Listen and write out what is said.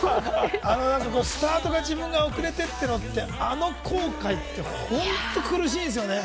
スタートが、自分が遅れて、あの後悔って本当に苦しいんですよね。